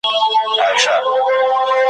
لا څو زیاتي چي ښې ساندي یې ویلي !.